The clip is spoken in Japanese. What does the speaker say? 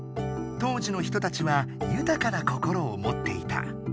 当時の人たちはゆたかな心をもっていた。